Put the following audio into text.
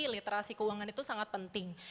literasi keuangan itu sangat penting